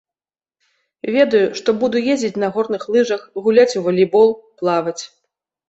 Ведаю, што буду ездзіць на горных лыжах, гуляць у валейбол, плаваць.